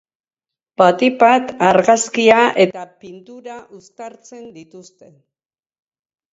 Batik bat, argazkia eta pintura uztartzen dituzte.